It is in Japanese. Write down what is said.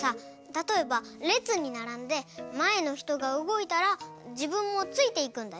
たとえばれつにならんでまえのひとがうごいたらじぶんもついていくんだよ。